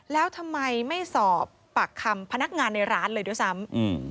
แล้วทำไมไม่สอบปากคำพนักงานในร้านเลยด้วยซ้ำอืม